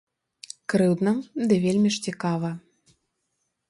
Крыўдна, ды вельмі ж цікава.